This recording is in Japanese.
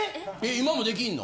今もできんの？